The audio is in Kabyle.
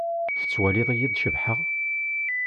Tettwaliḍ-iyi-d cebḥeɣ?